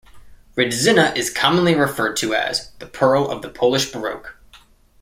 Rydzyna is commonly referred to as "the pearl of the Polish baroque".